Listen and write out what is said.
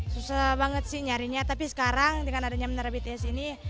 susah banget sih nyarinya tapi sekarang dengan adanya menara bts ini